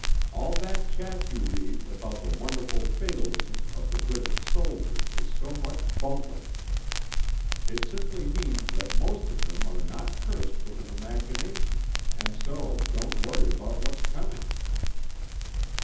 All that chat you read about the "wonderful fatalism" of the British soldier is so much bunkum. It simply means that most of them are not cursed with an imagination, and so don't worry about what's coming.'